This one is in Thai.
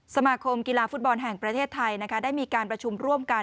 สมาคมกีฬาฟุตบอลแห่งประเทศไทยนะคะได้มีการประชุมร่วมกัน